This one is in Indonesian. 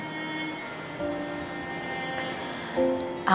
aku dan mama retno diusir oleh reva